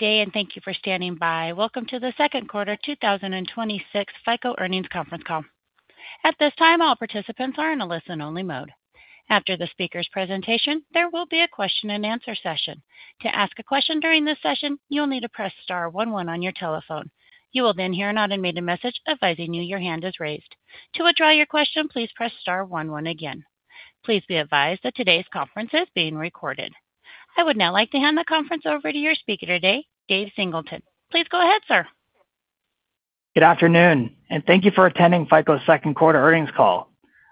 Day and thank you for standing by. Welcome to the 2nd Quarter 2026 FICO Earnings Conference Call. At this time, all participants are in a listen-only mode. After the speaker's presentation, there will be a question and answer session, to ask a question during the session, you'll need to press star one one on your telephone. You will then hear an automated message that letting you know your hand is raised. To withdraw your question, please press star one one again. Please be advised that today's conference is being recorded. I would now like to hand the conference over to your speaker today, Dave Singleton. Please go ahead, sir. Good afternoon. Thank you for attending FICO's Second Quarter Earnings Call.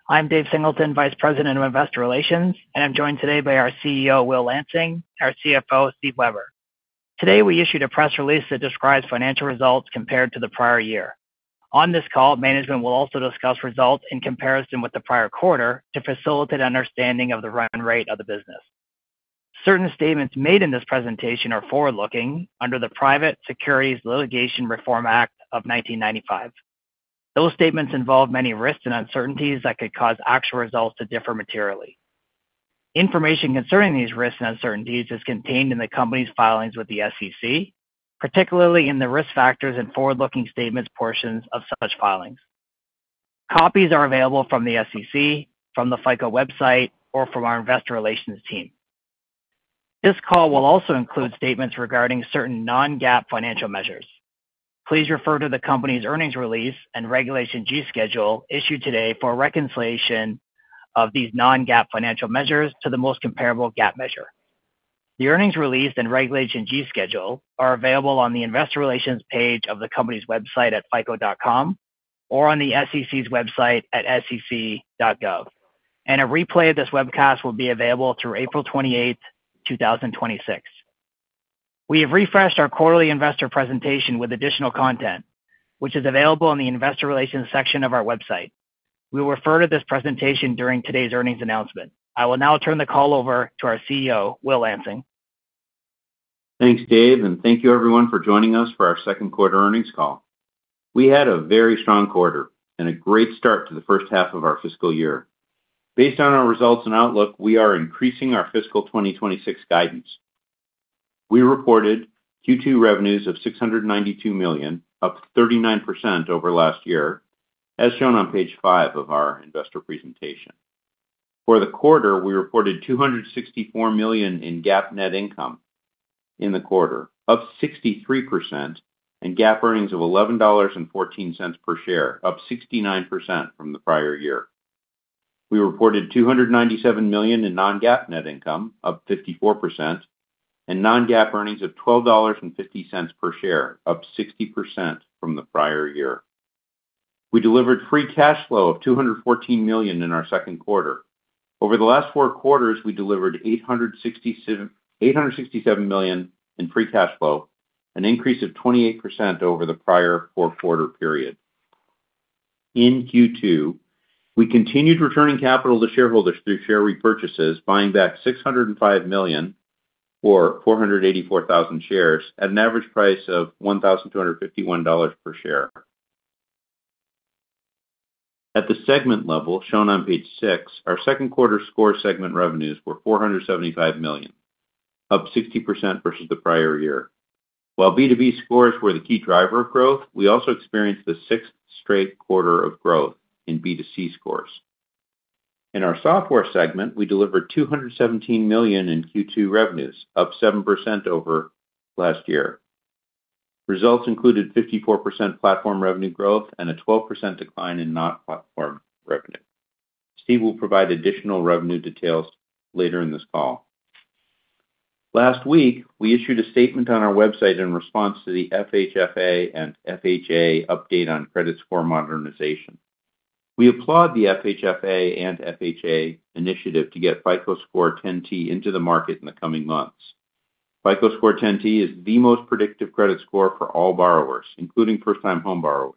I'm Dave Singleton, Vice President of Investor Relations, and I'm joined today by our CEO, Will Lansing, our CFO, Steve Weber. Today, we issued a press release that describes financial results compared to the prior year. On this call, management will also discuss results in comparison with the prior quarter to facilitate understanding of the run rate of the business. Certain statements made in this presentation are forward-looking under the Private Securities Litigation Reform Act of 1995. Those statements involve many risks and uncertainties that could cause actual results to differ materially. Information concerning these risks and uncertainties is contained in the company's filings with the SEC, particularly in the Risk Factors and Forward-Looking Statements portions of such filings. Copies are available from the SEC, from the FICO website, or from our investor relations team. This call will also include statements regarding certain non-GAAP financial measures. Please refer to the company's earnings release and Regulation G schedule issued today for a reconciliation of these non-GAAP financial measures to the most comparable GAAP measure. The earnings release and Regulation G schedule are available on the investor relations page of the company's website at fico.com or on the SEC's website at sec.gov. A replay of this webcast will be available through April 28th, 2026. We have refreshed our quarterly investor presentation with additional content, which is available on the investor relations section of our website. We will refer to this presentation during today's earnings announcement. I will now turn the call over to our CEO, Will Lansing. Thanks, Dave, and thank you everyone for joining us for our second quarter earnings call. We had a very strong quarter and a great start to the H1 of our fiscal year. Based on our results and outlook, we are increasing our fiscal 2026 guidance. We reported Q2 revenues of $692 million, up 39% over last year, as shown on page 5 of our investor presentation. For the quarter, we reported $264 million in GAAP net income in the quarter, up 63% and GAAP earnings of $11.14 per share, up 69% from the prior year. We reported $297 million in non-GAAP net income, up 54% and non-GAAP earnings of $12.50 per share, up 60% from the prior year. We delivered free cash flow of $214 million in our second quarter. Over the last four quarters, we delivered $867 million in free cash flow, an increase of 28% over the prior fourth quarter period. In Q2, we continued returning capital to shareholders through share repurchases, buying back $605 million or 484,000 shares at an average price of $1,251 per share. At the segment level shown on page 6, our second quarter Score segment revenues were $475 million, up 60% versus the prior year. While B2B Scores were the key driver of growth, we also experienced the sixth straight quarter of growth in B2C Scores. In our Software segment, we delivered $217 million in Q2 revenues, up 7% over last year. Results included 54% platform revenue growth and a 12% decline in not platform revenue. Steve will provide additional revenue details later in this call. Last week, we issued a statement on our website in response to the FHFA and FHA update on credit score modernization. We applaud the FHFA and FHA initiative to get FICO Score 10T into the market in the coming months. FICO Score 10T is the most predictive credit score for all borrowers, including first-time home borrowers.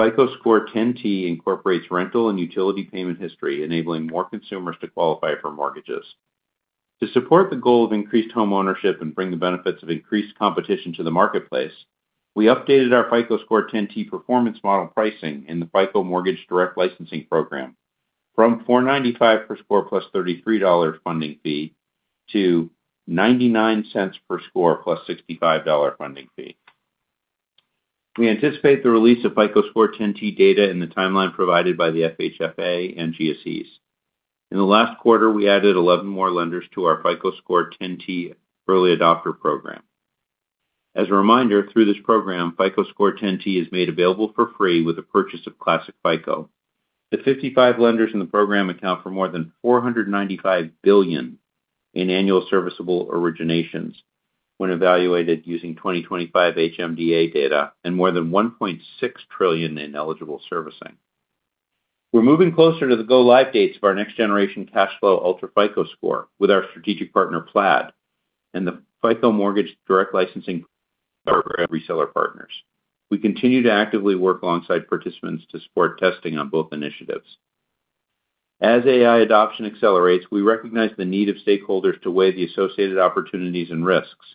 FICO Score 10T incorporates rental and utility payment history, enabling more consumers to qualify for mortgages. To support the goal of increased homeownership and bring the benefits of increased competition to the marketplace, we updated our FICO Score 10T performance model pricing in the FICO Mortgage Direct License Program from $4.95 per score plus $33 funding fee to $0.99 per score plus $65 funding fee. We anticipate the release of FICO Score 10T data in the timeline provided by the FHFA and GSEs. In the last quarter, we added 11 more lenders to our FICO Score 10T early adopter program. As a reminder, through this program, FICO Score 10T is made available for free with the purchase of Classic FICO. The 55 lenders in the program account for more than $495 billion in annual serviceable originations when evaluated using 2025 HMDA data and more than $1.6 trillion in eligible servicing. We're moving closer to the go-live dates of our next generation cash flow UltraFICO Score with our strategic partner, Plaid, and the FICO Mortgage Direct License Program reseller partners. We continue to actively work alongside participants to support testing on both initiatives. As AI adoption accelerates, we recognize the need of stakeholders to weigh the associated opportunities and risks.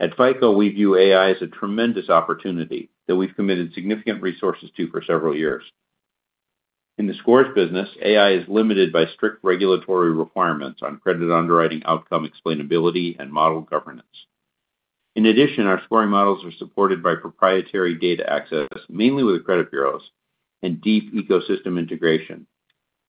At FICO, we view AI as a tremendous opportunity that we've committed significant resources to for several years. In the Scores business, AI is limited by strict regulatory requirements on credit underwriting outcome explainability and model governance. In addition, our scoring models are supported by proprietary data access, mainly with the credit bureaus and deep ecosystem integration.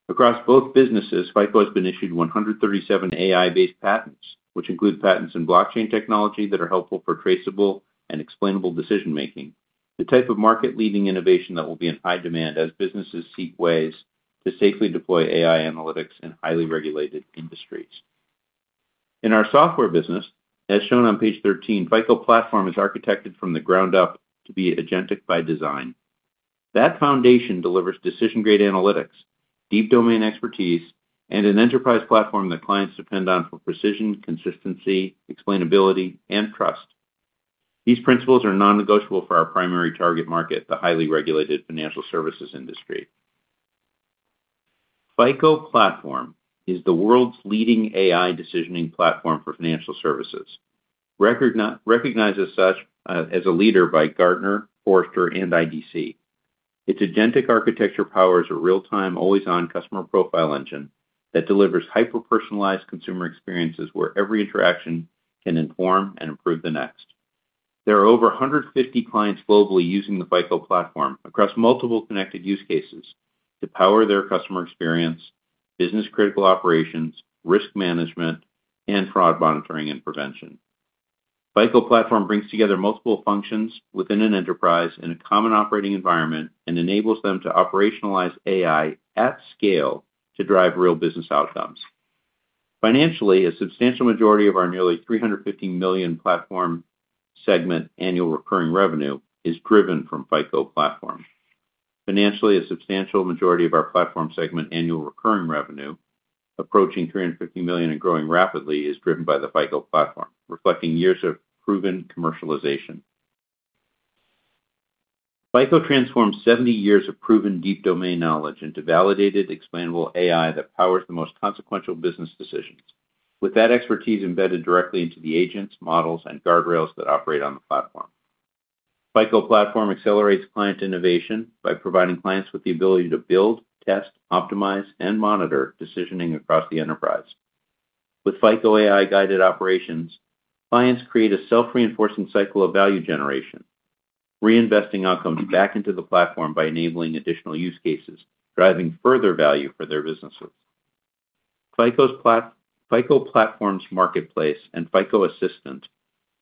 Across both businesses, FICO has been issued 137 AI-based patents, which include patents in blockchain technology that are helpful for traceable and explainable decision-making, the type of market-leading innovation that will be in high demand as businesses seek ways to safely deploy AI analytics in highly regulated industries. In our software business, as shown on page 13, FICO Platform is architected from the ground up to be agentic by design. That foundation delivers decision-grade analytics, deep domain expertise, and an enterprise platform that clients depend on for precision, consistency, explainability, and trust. These principles are non-negotiable for our primary target market, the highly regulated financial services industry. FICO Platform is the world's leading AI decisioning platform for financial services. Recognized as such, as a leader by Gartner, Forrester, and IDC. Its agentic architecture powers a real-time, always-on customer profile engine that delivers hyper-personalized consumer experiences where every interaction can inform and improve the next. There are over 150 clients globally using the FICO Platform across multiple connected use cases to power their customer experience, business-critical operations, risk management, and fraud monitoring and prevention. FICO Platform brings together multiple functions within an enterprise in a common operating environment and enables them to operationalize AI at scale to drive real business outcomes. Financially, a substantial majority of our nearly $350 million Platform segment annual recurring revenue is driven from FICO Platform. Financially, a substantial majority of our Platform segment annual recurring revenue, approaching $350 million and growing rapidly, is driven by the FICO Platform, reflecting years of proven commercialization. FICO transforms 70 years of proven deep domain knowledge into validated explainable AI that powers the most consequential business decisions. With that expertise embedded directly into the agents, models, and guardrails that operate on the Platform. FICO Platform accelerates client innovation by providing clients with the ability to build, test, optimize, and monitor decisioning across the enterprise. With FICO AI-guided operations, clients create a self-reinforcing cycle of value generation, reinvesting outcomes back into the Platform by enabling additional use cases, driving further value for their businesses. FICO Platform's Marketplace and FICO Assistant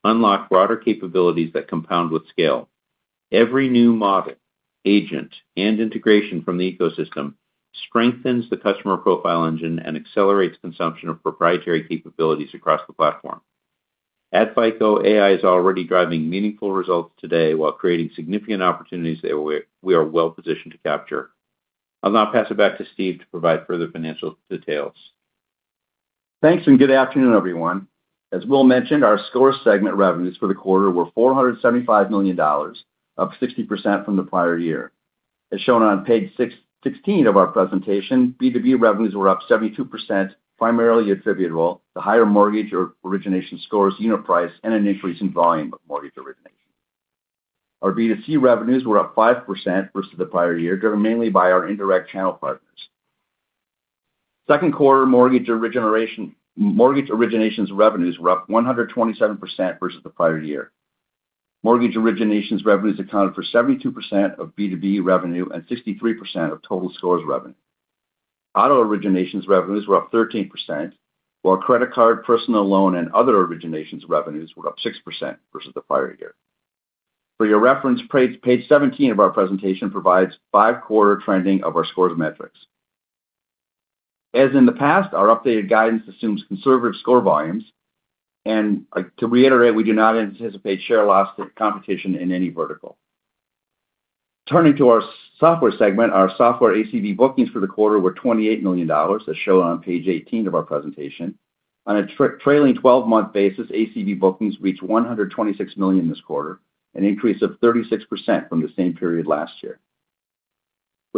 unlock broader capabilities that compound with scale. Every new model, agent, and integration from the ecosystem strengthens the customer profile engine and accelerates consumption of proprietary capabilities across the Platform. At FICO, AI is already driving meaningful results today while creating significant opportunities that we are well-positioned to capture. I'll now pass it back to Steve to provide further financial details. Thanks, good afternoon, everyone. As Will mentioned, our Scores segment revenues for the quarter were $475 million, up 60% from the prior year. As shown on page 16 of our presentation, B2B revenues were up 72%, primarily attributable to higher mortgage or origination scores unit price and an increase in volume of mortgage origination. Our B2C revenues were up 5% versus the prior year, driven mainly by our indirect channel partners. Second quarter mortgage originations revenues were up 127% versus the prior year. Mortgage originations revenues accounted for 72% of B2B revenue and 63% of total Scores revenue. Auto originations revenues were up 13%, while credit card, personal loan, and other originations revenues were up 6% versus the prior year. For your reference, page 17 of our presentation provides five-quarter trending of our Scores metrics. As in the past, our updated guidance assumes conservative score volumes. To reiterate, we do not anticipate share loss competition in any vertical. Turning to our Software segment, our Software ACV bookings for the quarter were $28 million, as shown on page 18 of our presentation. On a trailing twelve-month basis, ACV bookings reached $126 million this quarter, an increase of 36% from the same period last year.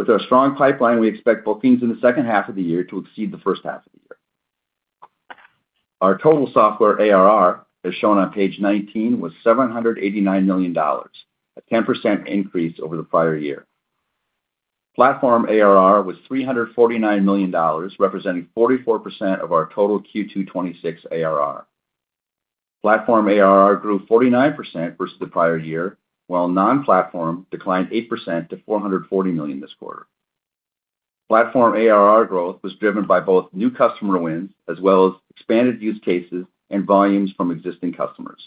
With our strong pipeline, we expect bookings in the second half of the year to exceed the first half of the year. Our total Software ARR, as shown on page 19, was $789 million, a 10% increase over the prior year. Platform ARR was $349 million, representing 44% of our total Q2 2026 ARR. Platform ARR grew 49% versus the prior year, while non-platform declined 8% to $440 million this quarter. Platform ARR growth was driven by both new customer wins as well as expanded use cases and volumes from existing customers.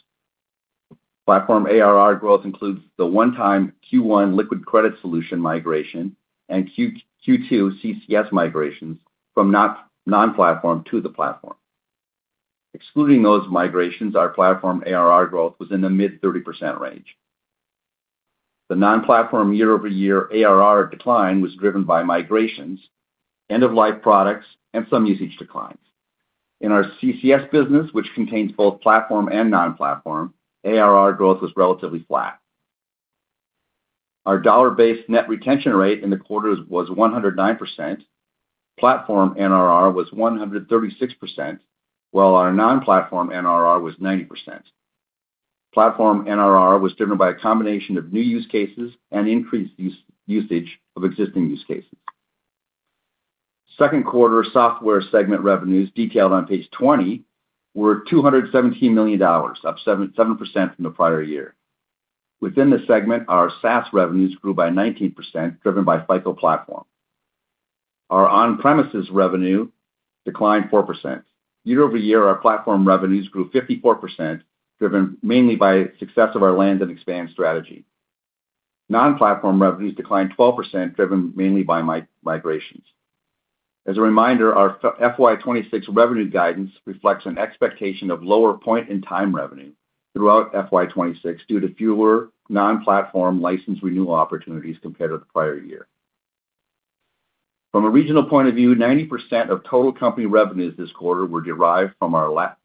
Platform ARR growth includes the one-time Q1 Liquid Credit Solution migration and Q2 CCS migrations from non-platform to the platform. Excluding those migrations, our platform ARR growth was in the mid-30% range. The non-platform year-over-year ARR decline was driven by migrations, end-of-life products, and some usage declines. In our CCS business, which contains both platform and non-platform, ARR growth was relatively flat. Our dollar-based net retention rate in the quarter was 109%. Platform NRR was 136%, while our non-platform NRR was 90%. Platform NRR was driven by a combination of new use cases and increased usage of existing use cases. Second quarter software segment revenues detailed on page 20 were $217 million, up 7% from the prior year. Within the segment, our SaaS revenues grew by 19%, driven by FICO Platform. Our on-premises revenue declined 4%. Year-over-year, our platform revenues grew 54%, driven mainly by success of our land and expand strategy. Non-platform revenues declined 12%, driven mainly by migrations. As a reminder, our FY 2026 revenue guidance reflects an expectation of lower point-in-time revenue throughout FY 2026 due to fewer non-platform license renewal opportunities compared to the prior year. From a regional point of view, 90% of total company revenues this quarter were derived from our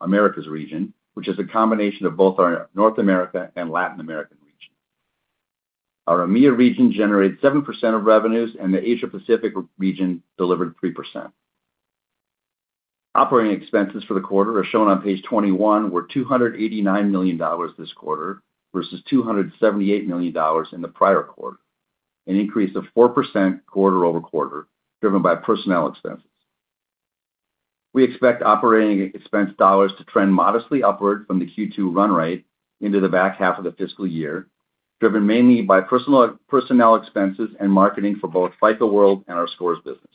Americas region, which is a combination of both our North America and Latin American region. Our EMEIA region generated 7% of revenues, and the Asia-Pacific region delivered 3%. Operating expenses for the quarter are shown on page 21 were $289 million this quarter versus $278 million in the prior quarter, an increase of 4% quarter-over-quarter, driven by personnel expenses. We expect operating expense dollars to trend modestly upward from the Q2 run rate into the back half of the fiscal year, driven mainly by personnel expenses and marketing for both FICO World and our Scores business.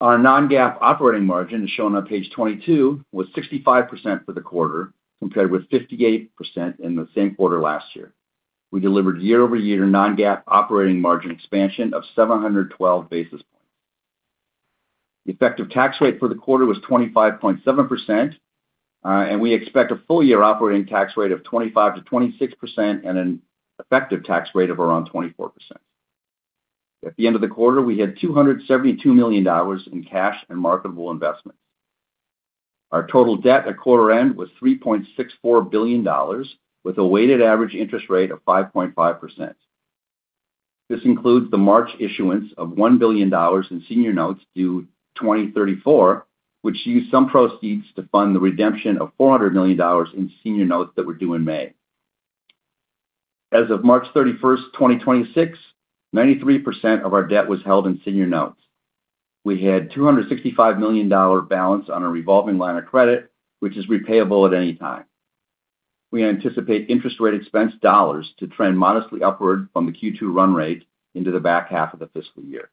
Our non-GAAP operating margin, shown on page 22, was 65% for the quarter compared with 58% in the same quarter last year. We delivered year-over-year non-GAAP operating margin expansion of 712 basis points. The effective tax rate for the quarter was 25.7%, and we expect a full year operating tax rate of 25%-26% and an effective tax rate of around 24%. At the end of the quarter, we had $272 million in cash and marketable investments. Our total debt at quarter end was $3.64 billion with a weighted average interest rate of 5.5%. This includes the March issuance of $1 billion in senior notes due 2034, which used some proceeds to fund the redemption of $400 million in senior notes that were due in May. As of March 31st, 2026, 93% of our debt was held in senior notes. We had a $265 million balance on a revolving line of credit, which is repayable at any time. We anticipate interest rate expense dollars to trend modestly upward from the Q2 run rate into the back half of the fiscal year.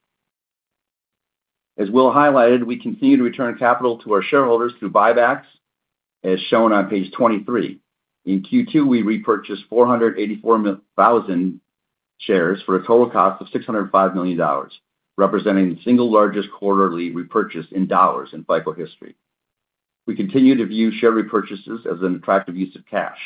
As Will highlighted, we continue to return capital to our shareholders through buybacks, as shown on page 23. In Q2, we repurchased 484,000 shares for a total cost of $605 million, representing the single largest quarterly repurchase in dollars in FICO history. We continue to view share repurchases as an attractive use of cash.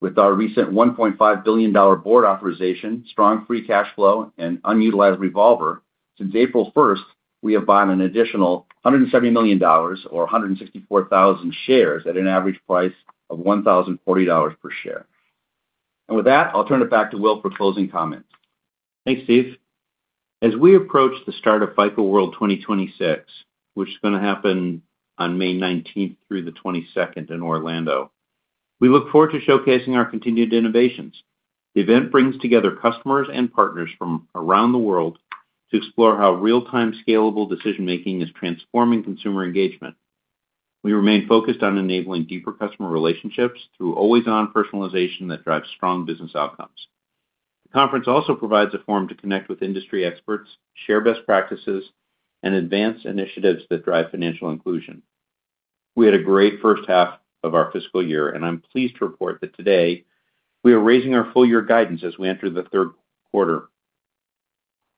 With our recent $1.5 billion board authorization, strong free cash flow, and unutilized revolver, since April 1st, we have bought an additional $170 million or 164,000 shares at an average price of $1,040 per share. With that, I'll turn it back to Will for closing comments. Thanks, Steve. As we approach the start of FICO World 2026, which is gonna happen on May 19th through the 22nd in Orlando, we look forward to showcasing our continued innovations. The event brings together customers and partners from around the world to explore how real-time scalable decision-making is transforming consumer engagement. We remain focused on enabling deeper customer relationships through always-on personalization that drives strong business outcomes. The conference also provides a forum to connect with industry experts, share best practices, and advance initiatives that drive financial inclusion. We had a great first half of our fiscal year, and I'm pleased to report that today we are raising our full year guidance as we enter the third quarter.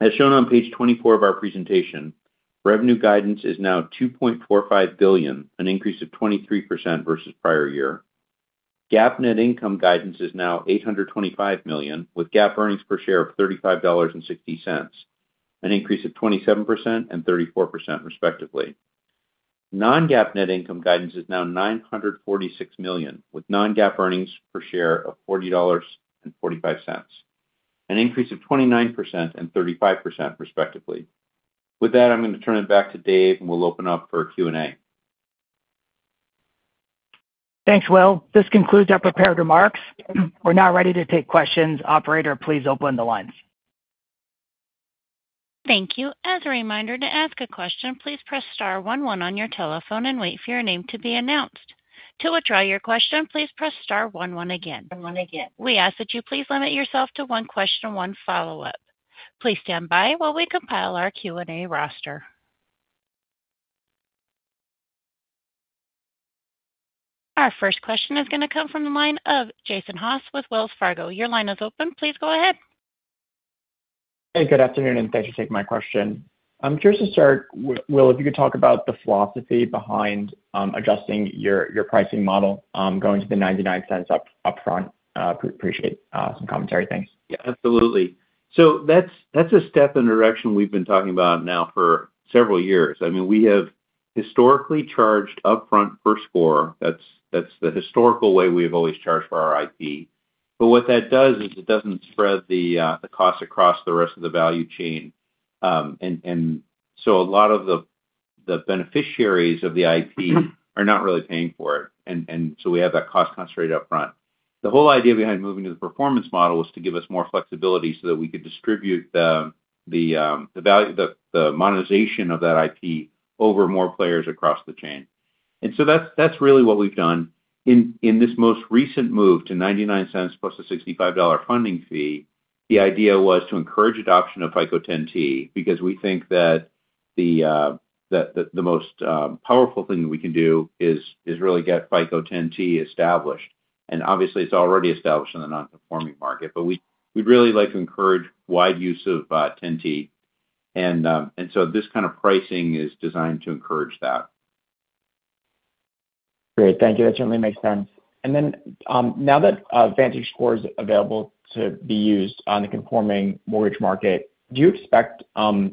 As shown on page 24 of our presentation, revenue guidance is now $2.45 billion, an increase of 23% versus prior year. GAAP net income guidance is now $825 million, with GAAP earnings per share of $35.60, an increase of 27% and 34% respectively. Non-GAAP net income guidance is now $946 million, with non-GAAP earnings per share of $40.45, an increase of 29% and 35% respectively. With that, I'm gonna turn it back to Dave, and we'll open up for a Q&A. Thanks, Will. This concludes our prepared remarks. We are now ready to take questions. Operator, please open the lines. Thank you. As a reminder, to ask a question, please press star one one your telephone and wait for your name to be announced. To withdraw your question, please press star one one again. We ask that you please limit yourself to one question and one follow-up. Please stand by while we compile our Q&A roster. Our first question is gonna come from the line of Jason Haas with Wells Fargo. Your line is open. Please go ahead. Hey, good afternoon, and thanks for taking my question. I'm curious to start, Will, if you could talk about the philosophy behind adjusting your pricing model, going to the $0.99 upfront. Appreciate some commentary. Thanks. Absolutely. That's a step in the direction we've been talking about now for several years. I mean, we have historically charged upfront first score. That's the historical way we have always charged for our IP. What that does is it doesn't spread the cost across the rest of the value chain. A lot of the beneficiaries of the IP are not really paying for it. We have that cost concentrated up front. The whole idea behind moving to the performance model was to give us more flexibility so that we could distribute the value, the monetization of that IP over more players across the chain. That's really what we've done. In this most recent move to $0.99 plus a $65 funding fee, the idea was to encourage adoption of FICO Score 10T because we think that the most powerful thing that we can do is really get FICO Score 10T established. Obviously it's already established in the non-conforming market, but we'd really like to encourage wide use of Ten T. This kind of pricing is designed to encourage that. Great. Thank you. That certainly makes sense. Now that VantageScore is available to be used on the conforming mortgage market, do you expect what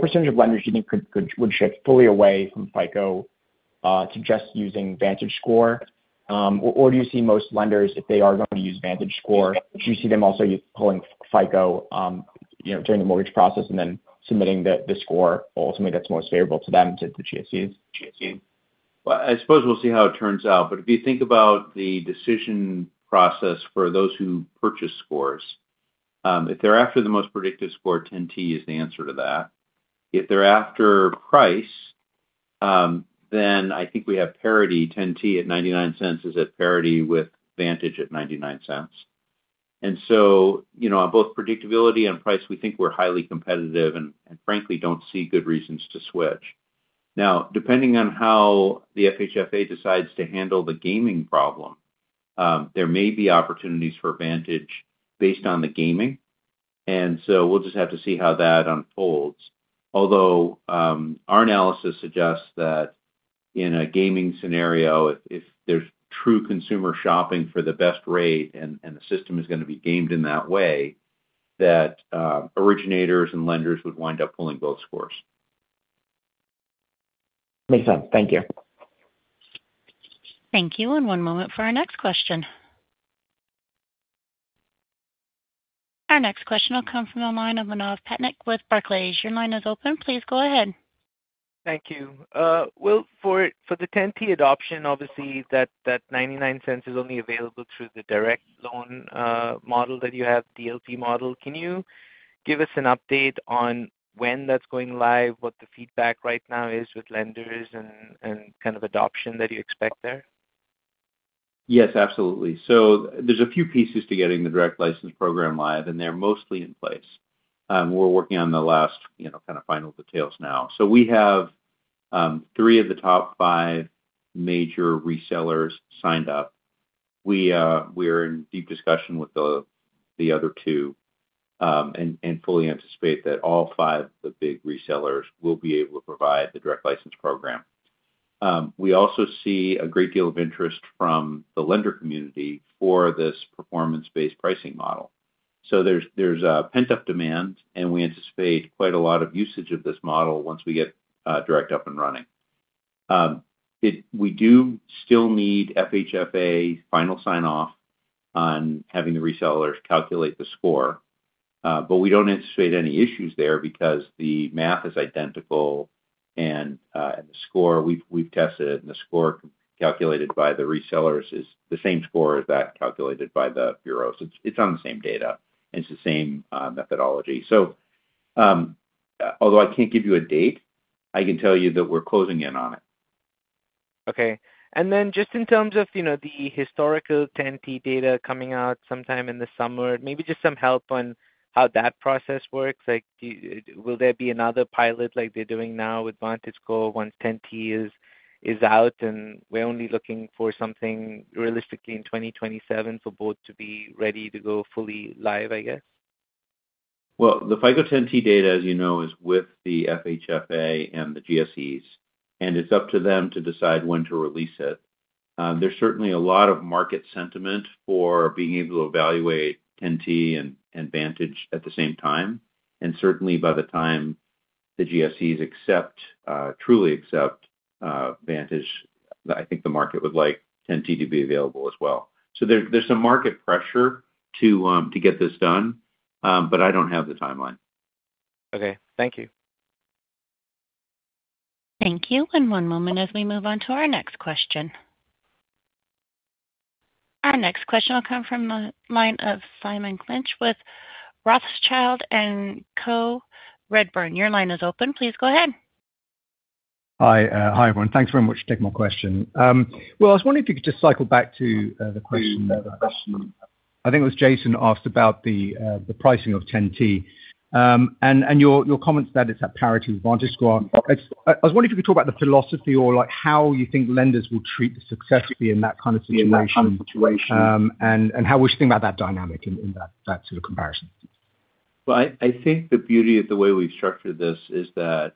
percentage of lenders do you think would shift fully away from FICO to just using VantageScore? Or do you see most lenders, if they are going to use VantageScore, do you see them also pulling FICO during the mortgage process and then submitting the score ultimately that's most favorable to them, to the GSEs? Well, I suppose we'll see how it turns out. If you think about the decision process for those who purchase scores, if they're after the most predictive score, 10T is the answer to that. If they're after price, I think we have parity. 10T at $0.99 is at parity with Vantage at $0.99. You know, on both predictability and price, we think we're highly competitive and frankly, don't see good reasons to switch. Now, depending on how the FHFA decides to handle the gaming problem, there may be opportunities for Vantage based on the gaming. We'll just have to see how that unfolds. Our analysis suggests that in a gaming scenario, if there's true consumer shopping for the best rate and the system is gonna be gamed in that way, that originators and lenders would wind up pulling both scores. Makes sense. Thank you. Thank you. One moment for our next question. Our next question will come from the line of Manav Patnaik with Barclays. Your line is open. Please go ahead. Thank you. Will, for the 10T adoption, obviously that $0.99 is only available through the Direct Loan Model that you have, DLT model. Can you give us an update on when that's going live, what the feedback right now is with lenders and kind of adoption that you expect there? Yes, absolutely. There's a few pieces to getting the Direct License Program live, and they're mostly in place. We're working on the last, you know, kind of final details now. We have three of the top five major resellers signed up. We're in deep discussion with the other two, and fully anticipate that all five of the big resellers will be able to provide the Direct License Program. We also see a great deal of interest from the lender community for this performance-based pricing model. There's pent-up demand, and we anticipate quite a lot of usage of this model once we get direct up and running. We do still need FHFA's final sign-off on having the resellers calculate the score. We don't anticipate any issues there because the math is identical and the score, we've tested it, and the score calculated by the resellers is the same score as that calculated by the bureaus. It's on the same data, and it's the same methodology. Although I can't give you a date, I can tell you that we're closing in on it. Okay. Then just in terms of, you know, the historical 10T data coming out sometime in the summer, maybe just some help on how that process works. Like, will there be another pilot like they're doing now with VantageScore once 10T is out? We're only looking for something realistically in 2027 for both to be ready to go fully live, I guess. Well, the FICO Score 10T data, as you know, is with the FHFA and the GSEs, and it's up to them to decide when to release it. There's certainly a lot of market sentiment for being able to evaluate 10T and Vantage at the same time. Certainly by the time the GSEs accept, truly accept Vantage, I think the market would like 10T to be available as well. There's some market pressure to get this done, but I don't have the timeline. Okay. Thank you. Thank you. One moment as we move on to our next question. Our next question will come from the line of Simon Clinch with Rothschild & Co Redburn. Your line is open. Please go ahead. Hi, everyone. Thanks very much for taking my question. Will, I was wondering if you could just cycle back to the question I think it was Jason asked about the pricing of FICO Score 10T, and your comment to that is at parity with VantageScore. I was wondering if you could talk about the philosophy or, like, how you think lenders will treat the success fee in that kind of situation. In that kind of situation. And how we should think about that dynamic in that sort of comparison. I think the beauty of the way we've structured this is that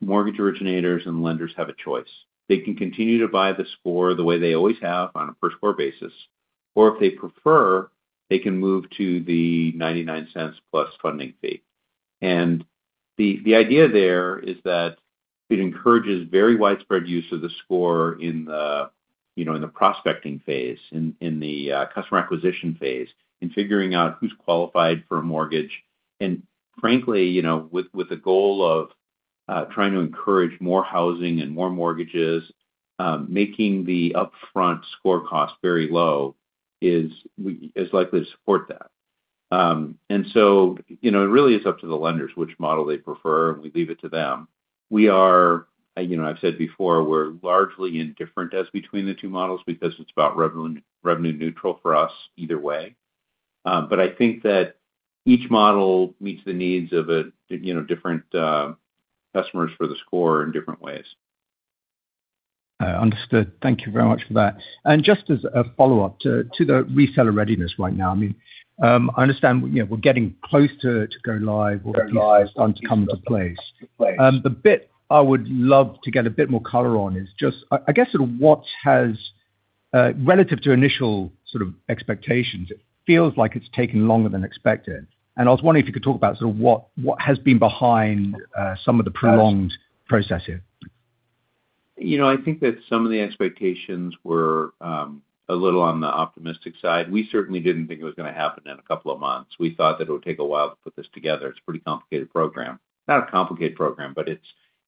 mortgage originators and lenders have a choice. They can continue to buy the score the way they always have on a per-score basis, or if they prefer, they can move to the $0.99 plus funding fee. The idea there is that it encourages very widespread use of the score in the, you know, in the prospecting phase, in the customer acquisition phase, in figuring out who's qualified for a mortgage. Frankly, you know, with the goal of trying to encourage more housing and more mortgages, making the upfront score cost very low is likely to support that. You know, it really is up to the lenders which model they prefer, and we leave it to them. We are, you know, I've said before, we're largely indifferent as between the two models because it's about revenue neutral for us either way. I think that each model meets the needs of a, you know, different customers for the score in different ways. Understood. Thank you very much for that. Just as a follow-up to the reseller readiness right now, I mean, I understand, you know, we're getting close to go live or at least on come to place. The bit I would love to get a bit more color on is just I guess sort of what has, relative to initial sort of expectations, it feels like it's taking longer than expected. I was wondering if you could talk about sort of what has been behind some of the prolonged processes. You know, I think that some of the expectations were a little on the optimistic side. We certainly didn't think it was going to happen in two months. We thought that it would take a while to put this together. It's a pretty complicated program. Not a complicated program, but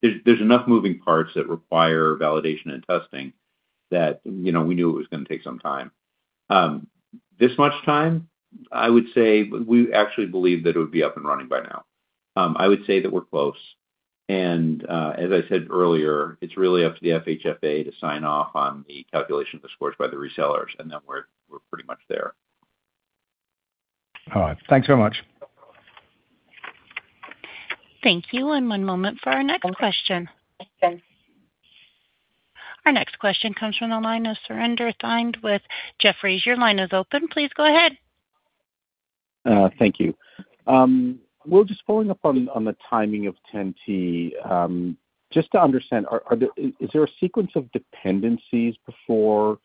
there's enough moving parts that require validation and testing that, you know, we knew it was going to take some time. This much time, I would say we actually believed that it would be up and running by now. I would say that we're close. As I said earlier, it's really up to the FHFA to sign off on the calculation of the scores by the resellers, and then we're pretty much there. All right. Thanks so much. Thank you. One moment for our next question. Our next question comes from the line of Surinder Thind with Jefferies. Your line is open. Please go ahead. Thank you. Well, just following up on the timing of 10T, just to understand, Is there a sequence of dependencies before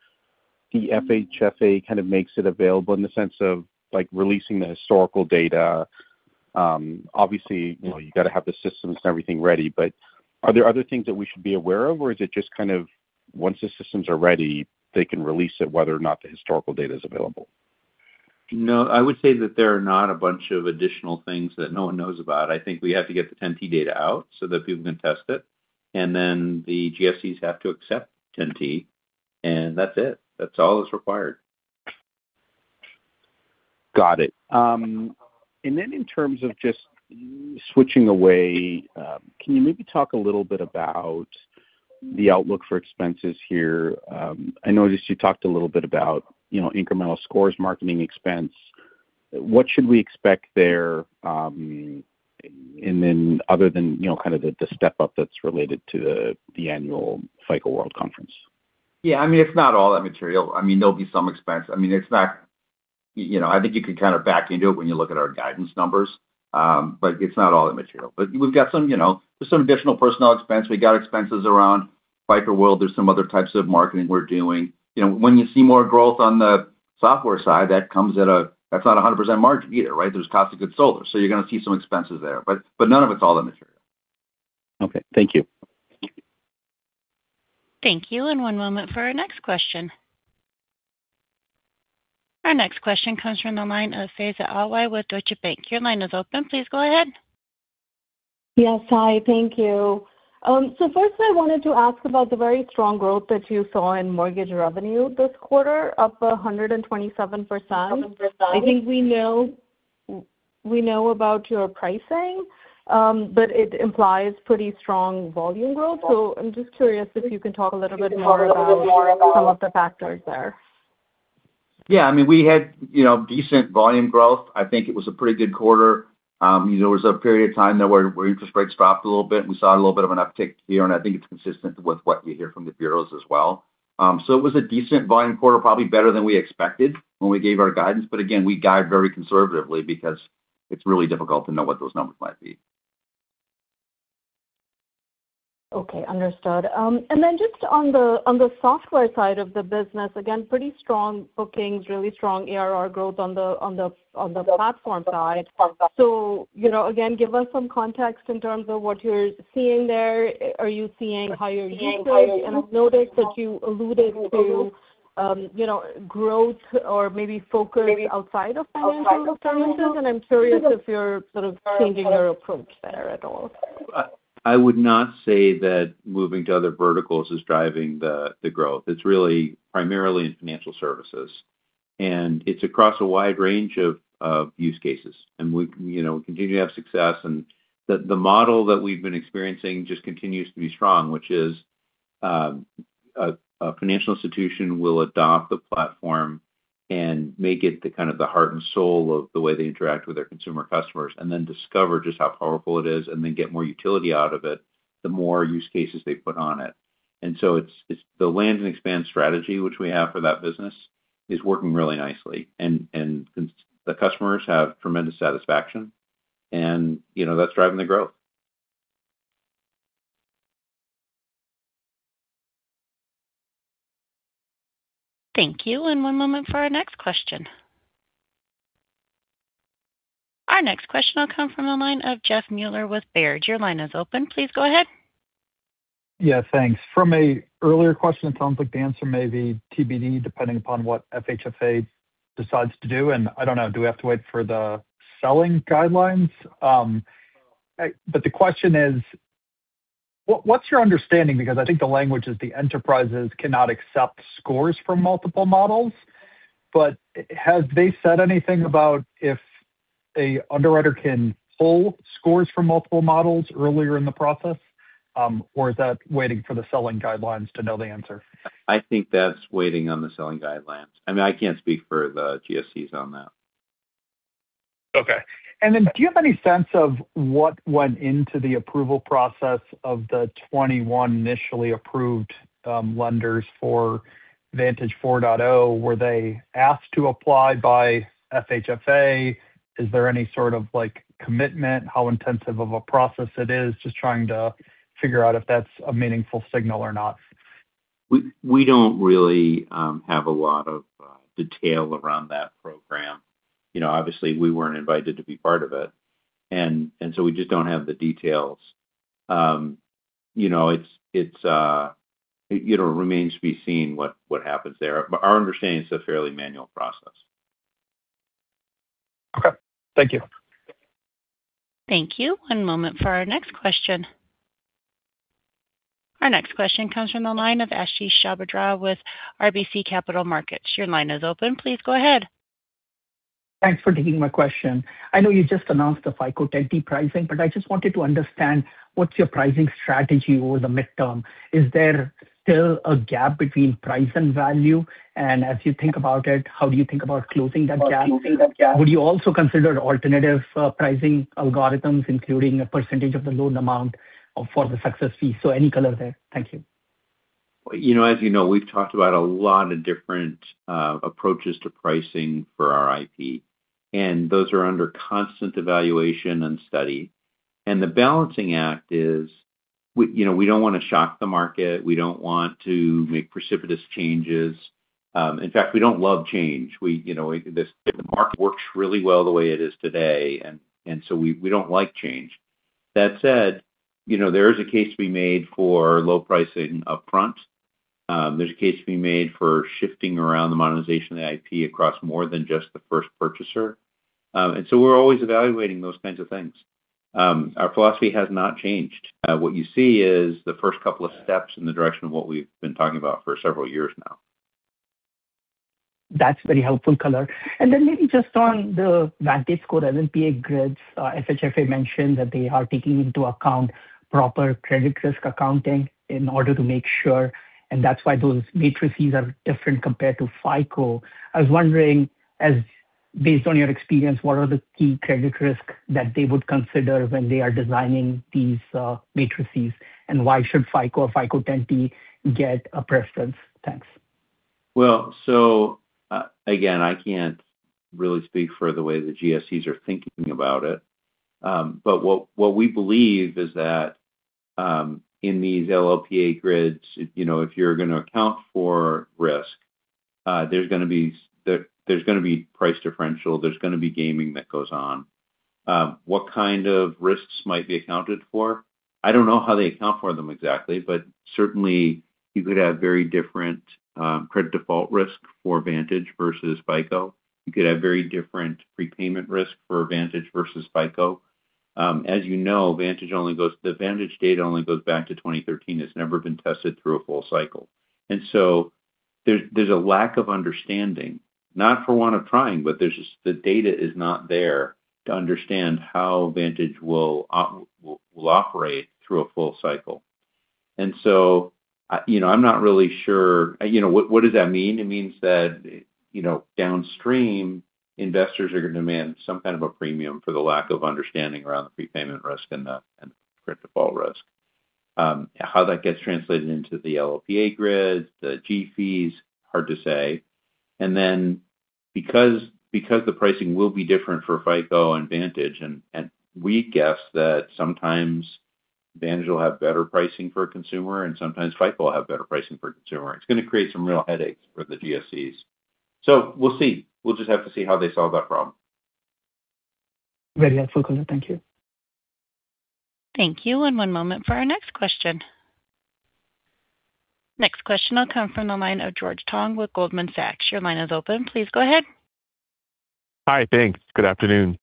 the FHFA kind of makes it available in the sense of, like, releasing the historical data? Obviously, you know, you gotta have the systems and everything ready, but are there other things that we should be aware of? Is it just kind of once the systems are ready, they can release it whether or not the historical data is available? No, I would say that there are not a bunch of additional things that no one knows about. I think we have to get the 10-T data out so that people can test it, and then the GSEs have to accept 10-T, and that's it. That's all that's required. Got it. In terms of just switching away, can you maybe talk a little bit about the outlook for expenses here? I noticed you talked a little bit about, you know, incremental Scores marketing expense. What should we expect there, other than, you know, kind of the step-up that's related to the annual FICO World Conference? I mean, it's not all that material. I mean, there'll be some expense. I mean, you know, I think you can kind of back into it when you look at our guidance numbers, it's not all that material. We've got some, you know, there's some additional personnel expense. We got expenses around FICO World. There's some other types of marketing we're doing. You know, when you see more growth on the software side, that's not a 100% margin either, right? There's cost of goods sold. You're going to see some expenses there, but none of it's all the material. Okay. Thank you. Thank you, and one moment for our next question. Our next question comes from the line of Faiza Alwy with Deutsche Bank. Your line is open. Please go ahead. Yes. Hi, thank you. Firstly, I wanted to ask about the very strong growth that you saw in mortgage revenue this quarter, up 127%. I think we know, we know about your pricing, but it implies pretty strong volume growth. I'm just curious if you can talk a little bit more about some of the factors there. Yeah. I mean, we had, you know, decent volume growth. I think it was a pretty good quarter. You know, there was a period of time there where interest rates dropped a little bit, and we saw a little bit of an uptick here, and I think it's consistent with what we hear from the bureaus as well. It was a decent volume quarter, probably better than we expected when we gave our guidance. Again, we guide very conservatively because it's really difficult to know what those numbers might be. Okay. Understood. Then just on the software side of the business, again, pretty strong bookings, really strong ARR growth on the Platform side. You know, again, give us some context in terms of what you're seeing there. Are you seeing higher usage? I've noticed that you alluded to, you know, growth or maybe focus outside of financial services, and I'm curious if you're sort of changing your approach there at all. I would not say that moving to other verticals is driving the growth. It's really primarily in financial services, and it's across a wide range of use cases. We, you know, we continue to have success and the model that we've been experiencing just continues to be strong, which is, a financial institution will adopt the platform and make it the kind of the heart and soul of the way they interact with their consumer customers and then discover just how powerful it is and then get more utility out of it, the more use cases they put on it. It's the land and expand strategy which we have for that business is working really nicely and the customers have tremendous satisfaction and, you know, that's driving the growth. Thank you. One moment for our next question. Our next question will come from the line of Jeffrey Meuler with Baird. Your line is open. Please go ahead. Yeah, thanks. From an earlier question, it sounds like the answer may be TBD, depending upon what FHFA decides to do. I don't know, do we have to wait for the selling guidelines? The question is, what's your understanding? I think the language is the enterprises cannot accept scores from multiple models. Have they said anything about if an underwriter can pull scores from multiple models earlier in the process, or is that waiting for the selling guidelines to know the answer? I think that's waiting on the selling guidelines. I mean, I can't speak for the GSEs on that. Okay. Do you have any sense of what went into the approval process of the 21 initially approved lenders for VantageScore 4.0? Were they asked to apply by FHFA? Is there any sort of, like, commitment? How intensive of a process it is? Just trying to figure out if that's a meaningful signal or not. We don't really have a lot of detail around that program. You know, obviously we weren't invited to be part of it, and so we just don't have the details. You know, it's, you know, remains to be seen what happens there. Our understanding is it's a fairly manual process. Okay. Thank you. Thank you. One moment for our next question. Our next question comes from the line of Ashish Sabadra with RBC Capital Markets. Your line is open. Please go ahead. Thanks for taking my question. I know you just announced the FICO 10T pricing, I just wanted to understand what's your pricing strategy over the midterm. Is there still a gap between price and value? As you think about it, how do you think about closing that gap? Would you also consider alternative pricing algorithms, including a percentage of the loan amount for the success fee? Any color there. Thank you. You know, as you know, we've talked about a lot of different approaches to pricing for our IP, and those are under constant evaluation and study. The balancing act is we, you know, we don't want to shock the market. We don't want to make precipitous changes. In fact, we don't love change. We, you know, the market works really well the way it is today, and so we don't like change. That said, you know, there is a case to be made for low pricing upfront. There's a case to be made for shifting around the monetization of the IP across more than just the first purchaser. We're always evaluating those kinds of things. Our philosophy has not changed. What you see is the first couple of steps in the direction of what we've been talking about for several years now. That's very helpful color. Then maybe just on the VantageScore LLPA grids, FHFA mentioned that they are taking into account proper credit risk accounting in order to make sure, and that's why those matrices are different compared to FICO. I was wondering, based on your experience, what are the key credit risk that they would consider when they are designing these matrices, and why should FICO or FICO 10T get a preference? Thanks. Again, I can't really speak for the way the GSEs are thinking about it. What we believe is that in these LLPA grids, you know, if you're gonna account for risk, there's gonna be price differential, there's gonna be gaming that goes on. What kind of risks might be accounted for? I don't know how they account for them exactly, but certainly you could have very different credit default risk for Vantage versus FICO. You could have very different prepayment risk for Vantage versus FICO. As you know, Vantage only goes. The Vantage data only goes back to 2013. It's never been tested through a full cycle. There's a lack of understanding, not for want of trying. The data is not there to understand how Vantage will operate through a full cycle. You know, I'm not really sure. You know what does that mean? It means that, you know, downstream investors are gonna demand some kind of a premium for the lack of understanding around the prepayment risk and the credit default risk. How that gets translated into the LLPA grid, the g-fees, hard to say. Because the pricing will be different for FICO and Vantage, and we guess that sometimes Vantage will have better pricing for a consumer and sometimes FICO will have better pricing for a consumer. It's gonna create some real headaches for the GSEs. We'll see. We'll just have to see how they solve that problem. Very helpful, [Colin]. Thank you. Thank you. One moment for our next question. Next question will come from the line of George Tong with Goldman Sachs. Your line is open. Please go ahead. Hi. Thanks. Good afternoon.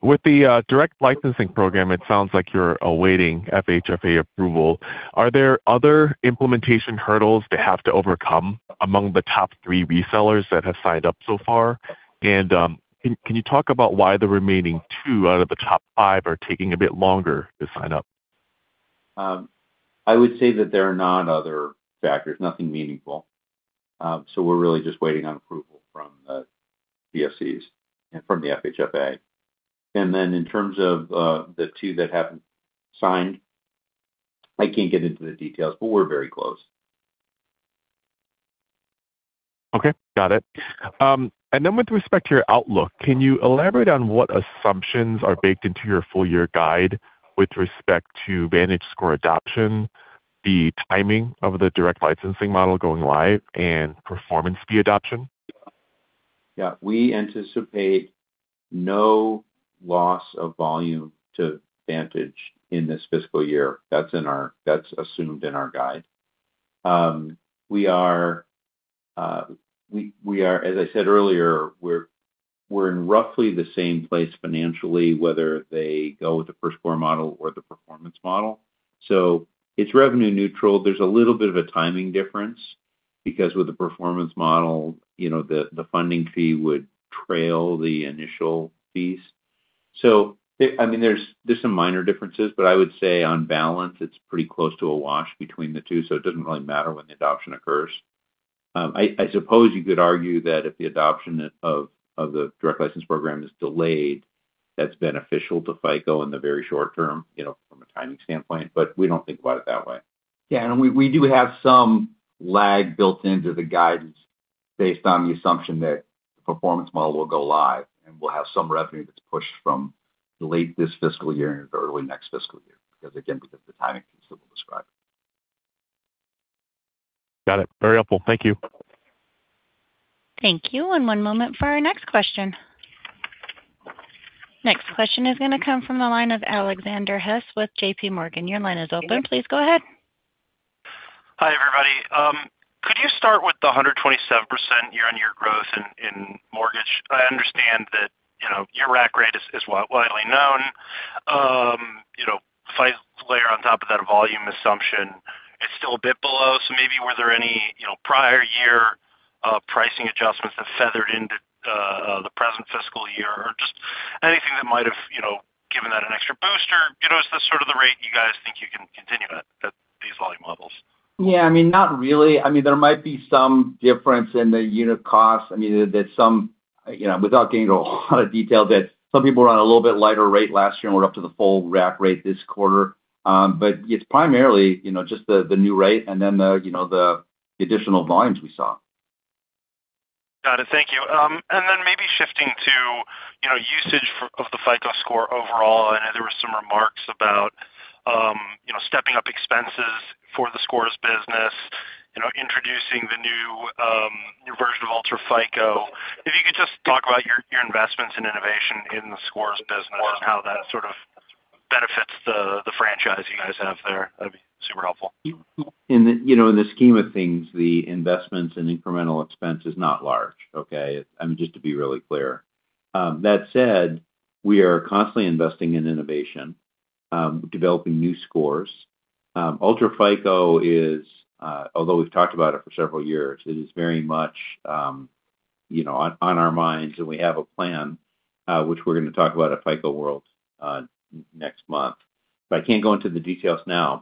With the Direct Licensing Program, it sounds like you're awaiting FHFA approval. Are there other implementation hurdles to have to overcome among the top three resellers that have signed up so far? Can you talk about why the remaining two out of the top five are taking a bit longer to sign up? I would say that there are none other factors, nothing meaningful. We're really just waiting on approval from the GSEs and from the FHFA. Then in terms of the two that haven't signed, I can't get into the details, but we're very close. Okay. Got it. With respect to your outlook, can you elaborate on what assumptions are baked into your full year guide with respect to VantageScore adoption, the timing of the direct licensing model going live, and performance fee adoption? We anticipate no loss of volume to VantageScore in this fiscal year. That's in our that's assumed in our guide. We are as I said earlier, we're in roughly the same place financially, whether they go with the first score model or the performance model. It's revenue neutral. There's a little bit of a timing difference because with the performance model, you know, the funding fee would trail the initial fees. I mean, there's some minor differences, but I would say on balance, it's pretty close to a wash between the two, so it doesn't really matter when the adoption occurs. I suppose you could argue that if the adoption of the direct license program is delayed, that's beneficial to FICO in the very short term, you know, from a timing standpoint, we don't think about it that way. Yeah. We, we do have some lag built into the guidance based on the assumption that the performance model will go live, and we'll have some revenue that's pushed from late this fiscal year into early next fiscal year, because again, because of the timing piece that we described. Got it. Very helpful. Thank you. Thank you. One moment for our next question. Next question is gonna come from the line of Alexander Hess with JPMorgan. Your line is open. Please go ahead. Hi, everybody. Could you start with the 127% year-on-year growth in mortgage? I understand that, you know, your rack rate is widely known. You know, if I layer on top of that volume assumption, it's still a bit below. Maybe were there any, you know, prior year pricing adjustments that feathered into the present fiscal year or just anything that might have, you know, given that an extra boost or, you know, is this sort of the rate you guys think you can continue at these volume levels? Yeah, I mean, not really. I mean, there might be some difference in the unit cost. I mean, there's some, you know, without getting into a lot of detail, that some people were on a little bit lighter rate last year and were up to the full rack rate this quarter. It's primarily, you know, just the new rate and then the, you know, the additional volumes we saw. Got it. Thank you. Then maybe shifting to, you know, usage of the FICO Score overall. I know there were some remarks about, you know, stepping up expenses for the Scores business, you know, introducing the new version of UltraFICO. If you could just talk about your investments in innovation in the Scores business and how that sort of benefits the franchise you guys have there, that'd be super helpful. In the, you know, in the scheme of things, the investments in incremental expense is not large, okay? I mean, just to be really clear. That said, we are constantly investing in innovation, developing new scores. UltraFICO is, although we've talked about it for several years, it is very much, you know, on our minds, and we have a plan, which we're gonna talk about at FICO World next month. I can't go into the details now.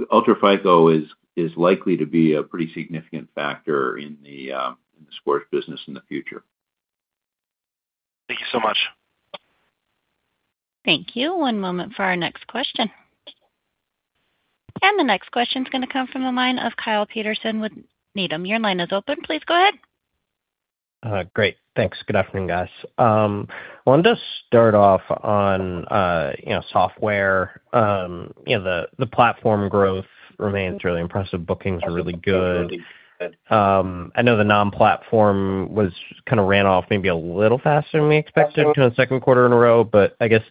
UltraFICO is likely to be a pretty significant factor in the scores business in the future. Thank you so much. Thank you. One moment for our next question. The next question's gonna come from the line of Kyle Peterson with Needham. Your line is open. Please go ahead. Great. Thanks. Good afternoon, guys. Wanted to start off on, you know, software. You know, the platform growth remains really impressive. Bookings are really good. I know the non-platform was just kind of ran off maybe a little faster than we expected kind of second quarter in a row. I guess,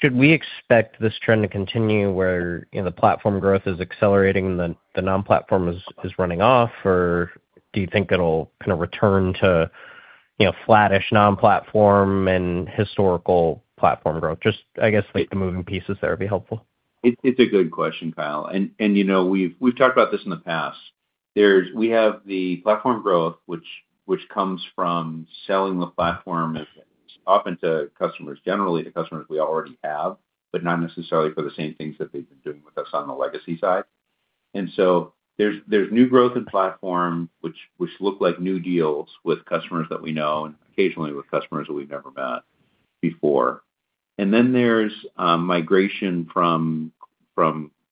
should we expect this trend to continue where, you know, the platform growth is accelerating, the non-platform is running off? Or do you think it'll kind of return to, you know, flattish non-platform and historical platform growth? Just, I guess, like, the moving pieces there would be helpful. It's a good question, Kyle. You know, we've talked about this in the past. We have the platform growth, which comes from selling the platform often to customers, generally to customers we already have, but not necessarily for the same things that they've been doing with us on the legacy side. There's new growth in platform which look like new deals with customers that we know and occasionally with customers that we've never met before. There's migration from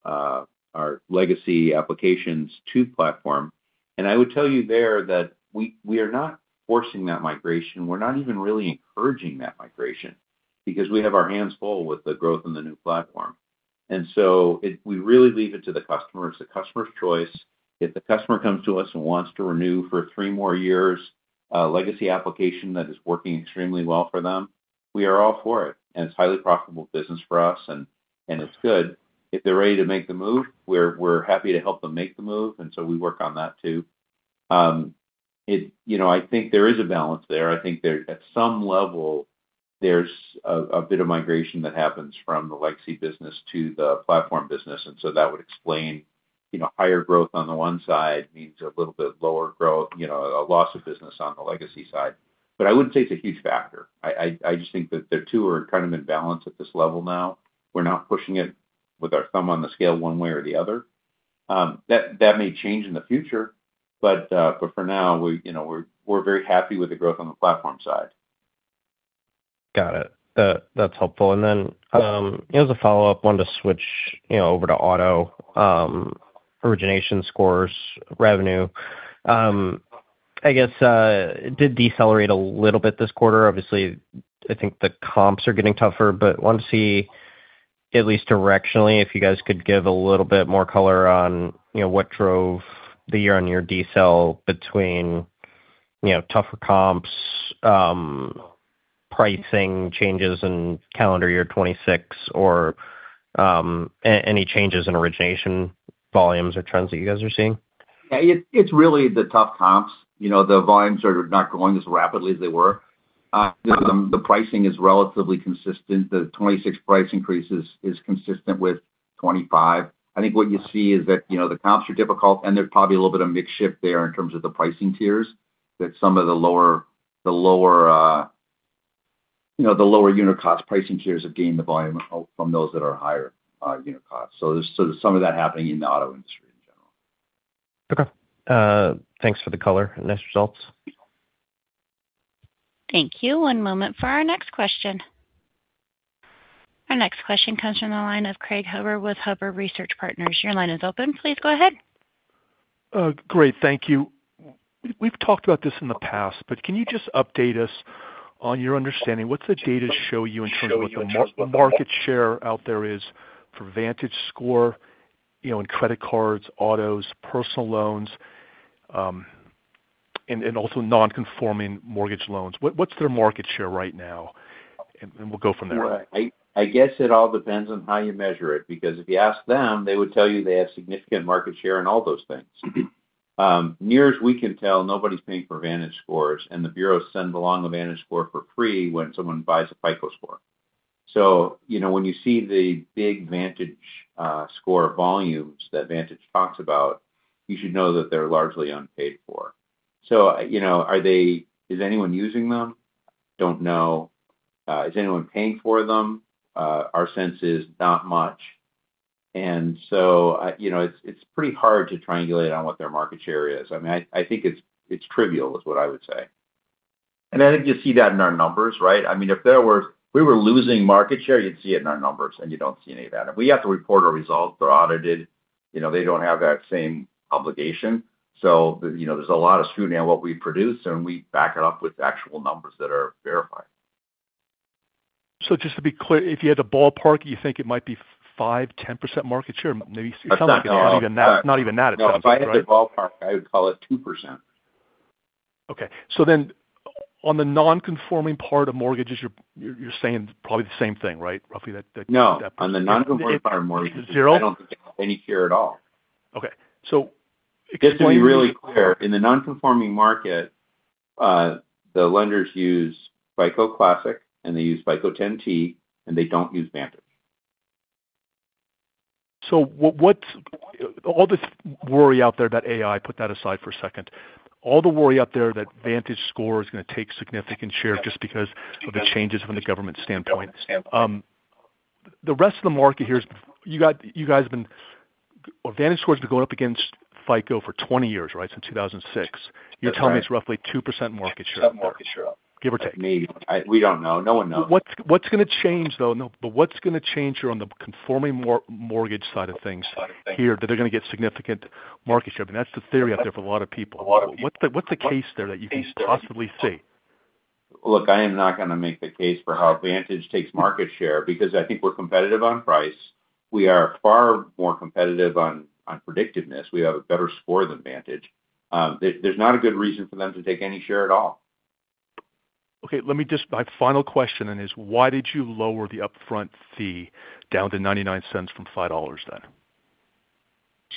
our legacy applications to platform. I would tell you there that we are not forcing that migration. We're not even really encouraging that migration because we have our hands full with the growth in the new platform. We really leave it to the customer. It's the customer's choice. If the customer comes to us and wants to renew for three more years a legacy application that is working extremely well for them, we are all for it. It's highly profitable business for us and it's good. If they're ready to make the move, we're happy to help them make the move. We work on that too. You know, I think there is a balance there. I think at some level, there's a bit of migration that happens from the legacy business to the platform business. That would explain, you know, higher growth on the one side means a little bit lower growth, you know, a loss of business on the legacy side. I wouldn't say it's a huge factor. I just think that the two are kind of in balance at this level now. We're not pushing it with our thumb on the scale one way or the other. That may change in the future, but for now, we, you know, we're very happy with the growth on the platform side. Got it. That's helpful. Then, you know, as a follow-up, wanted to switch, you know, over to auto origination Scores revenue. I guess it did decelerate a little bit this quarter. Obviously, I think the comps are getting tougher, but wanted to see. At least directionally, if you guys could give a little bit more color on, you know, what drove the year-over-year decel between, you know, tougher comps, pricing changes in calendar year 2026 or any changes in origination volumes or trends that you guys are seeing. Yeah, it's really the tough comps. You know, the volumes are not growing as rapidly as they were. The pricing is relatively consistent. The 2026 price increases is consistent with 2025. I think what you see is that, you know, the comps are difficult, and there's probably a little bit of mix shift there in terms of the pricing tiers that some of the lower, you know, the lower unit cost pricing tiers have gained the volume from those that are higher unit cost. There's sort of some of that happening in the auto industry in general. Okay. Thanks for the color. Next results. Thank you. One moment for our next question. Our next question comes from the line of Craig Huber with Huber Research Partners. Your line is open. Please go ahead. Great. Thank you. We've talked about this in the past, but can you just update us on your understanding, what's the data show you in terms of what the market share out there is for VantageScore, you know, in credit cards, autos, personal loans, and also non-conforming mortgage loans? What's their market share right now? We'll go from there. Right. I guess it all depends on how you measure it because if you ask them, they would tell you they have significant market share in all those things. Mm-hmm. Near as we can tell, nobody's paying for VantageScores. The bureaus send along the VantageScore for free when someone buys a FICO Score. You know, when you see the big VantageScore score volumes that VantageScore talks about, you should know that they're largely unpaid for. You know, are they? Is anyone using them? Don't know. Is anyone paying for them? Our sense is not much. You know, it's pretty hard to triangulate on what their market share is. I mean, I think it's trivial, is what I would say. I think you see that in our numbers, right? I mean, if we were losing market share, you'd see it in our numbers, and you don't see any of that. We have to report our results. They're audited. You know, they don't have that same obligation. You know, there's a lot of scrutiny on what we produce, and we back it up with actual numbers that are verified. Just to be clear, if you had to ballpark, you think it might be 5%-10% market share? Maybe it sounds like it's not even that. It's not even that, it sounds like, right? No. If I had to ballpark, I would call it 2%. Okay. On the non-conforming part of mortgages, you're saying probably the same thing, right? Roughly. No. On the non-conforming part of mortgages. Zero? I don't think they have any share at all. Okay. Just to be really clear, in the non-conforming market, the lenders use FICO Classic and they use FICO Score 10T, and they don't use Vantage. What's all this worry out there that AI, put that aside for a second. All the worry out there that VantageScore is gonna take significant share just because of the changes from the government standpoint. The rest of the market here, Well, VantageScore has been going up against FICO for 20 years, right? Since 2006. That's right. You're telling me it's roughly 2% market share. 2% market share. Give or take. Maybe. We don't know. No one knows. What's gonna change, though? No, what's gonna change here on the conforming mortgage side of things here that they're gonna get significant market share? I mean, that's the theory out there for a lot of people. What's the case there that you can possibly see? Look, I am not gonna make the case for how Vantage takes market share because I think we're competitive on price. We are far more competitive on predictiveness. We have a better score than Vantage. There's not a good reason for them to take any share at all. Okay, My final question then is why did you lower the upfront fee down to $0.99 from $5 then?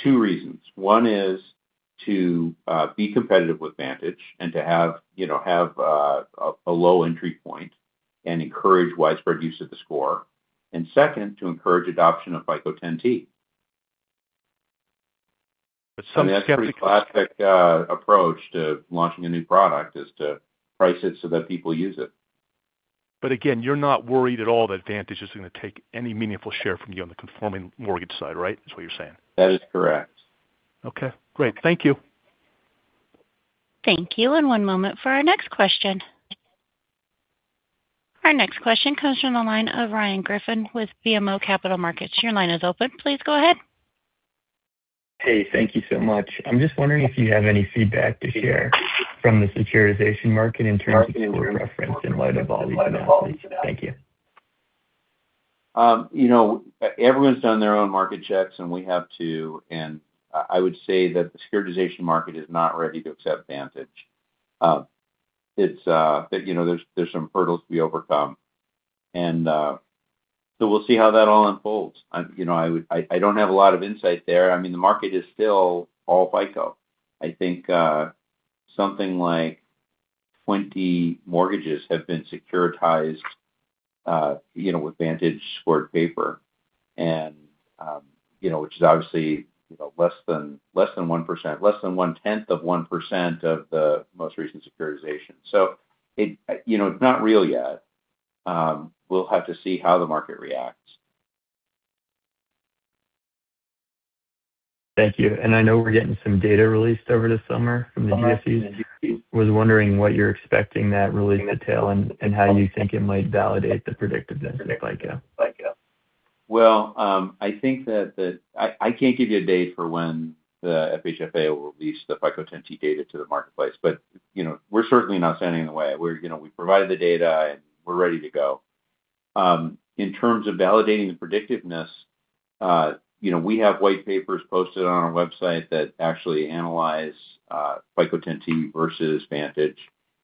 Two reasons. One is to be competitive with Vantage and to have, you know, have a low entry point and encourage widespread use of the score. Second, to encourage adoption of FICO Score 10T. But some- That's a pretty classic approach to launching a new product, is to price it so that people use it. Again, you're not worried at all that Vantage is gonna take any meaningful share from you on the conforming mortgage side, right? Is what you're saying? That is correct. Okay, great. Thank you. Thank you. One moment for our next question. Our next question comes from the line of Ryan Griffin with BMO Capital Markets. Your line is open. Please go ahead. Hey. Thank you so much. I'm just wondering if you have any feedback to share from the securitization market in terms of score reference in light of all these mandates. Thank you. You know, everyone's done their own market checks, and we have too, and I would say that the securitization market is not ready to accept Vantage. You know, there's some hurdles to be overcome and so we'll see how that all unfolds. You know, I don't have a lot of insight there. I mean, the market is still all FICO. I think, something like 20 mortgages have been securitized, you know, with VantageScore paper and, you know, which is obviously, you know, less than, less than 1%, less than 0.1% of the most recent securitization. It, you know, it's not real yet. We'll have to see how the market reacts. Thank you. I know we're getting some data released over the summer from the GSEs. I was wondering what you're expecting that release to tell and how you think it might validate the predictiveness of FICO. Well, I can't give you a date for when the FHFA will release the FICO Score 10T data to the marketplace. You know, we're certainly not standing in the way. We provided the data, and we're ready to go. In terms of validating the predictiveness, you know, we have white papers posted on our website that actually analyze FICO Score 10T versus VantageScore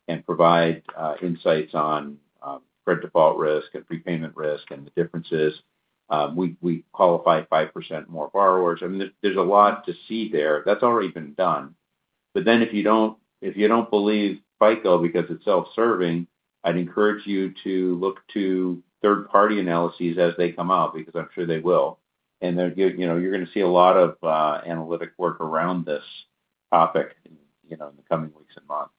and provide insights on credit default risk and prepayment risk and the differences. We qualify 5% more borrowers. I mean, there's a lot to see there. That's already been done. If you don't believe FICO because it's self-serving, I'd encourage you to look to third-party analyses as they come out because I'm sure they will. They're you know, you're gonna see a lot of analytic work around this topic in, you know, in the coming weeks and months.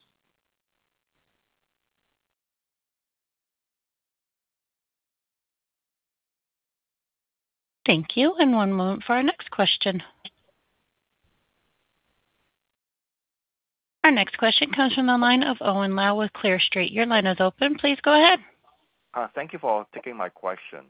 Thank you. One moment for our next question. Our next question comes from the line of Owen Lau with Clear Street. Your line is open. Please go ahead. Thank you for taking my question.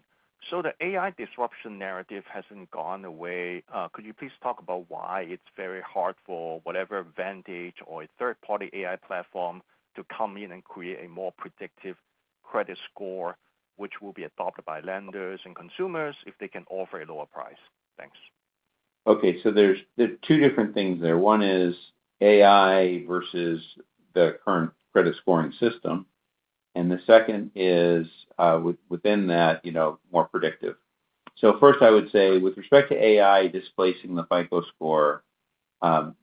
The AI disruption narrative hasn't gone away. Could you please talk about why it's very hard for whatever Vantage or a third-party AI platform to come in and create a more predictive credit score, which will be adopted by lenders and consumers if they can offer a lower price? Thanks. Okay. There are two different things there. One is AI versus the current credit scoring system, and the second is, you know, within that, more predictive. First, I would say with respect to AI displacing the FICO Score,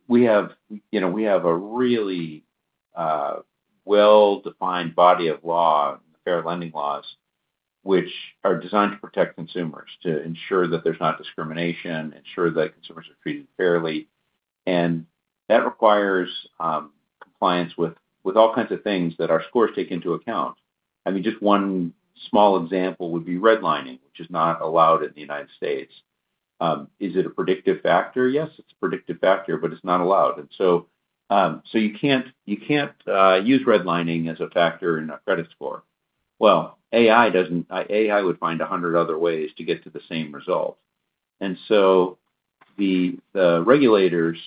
we have, you know, we have a really well-defined body of law, fair lending laws, which are designed to protect consumers to ensure that there's not discrimination, ensure that consumers are treated fairly. That requires compliance with all kinds of things that our scores take into account. I mean, just one small example would be redlining, which is not allowed in the United States. Is it a predictive factor? Yes, it's a predictive factor, but it's not allowed. So, you can't use redlining as a factor in a credit score. AI doesn't. AI would find 100 other ways to get to the same result. The regulators